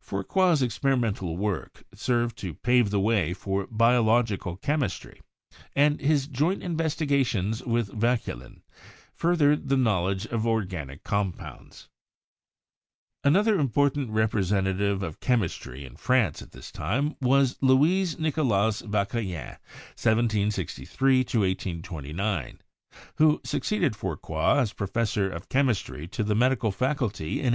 Fourcroy 's experimental work served to pave the way for biological chemistry, and his joint investigations with Vauquelin furthered the knowledge of organic compounds. Another important representative of chemistry in France at this time was Louis Nicolas Vauquelin (1763 1829), who succeeded Fourcroy as Professor of Chemis try to the Medical Faculty in 1809.